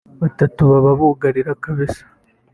Batatu baba bugarira kabisa